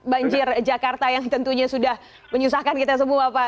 banjir jakarta yang tentunya sudah menyusahkan kita semua pak